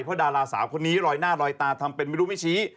เพราะดาราสาวคนนี้ลอยหน้าลอยตาทำเป็นไม่รู้ไม่ชี้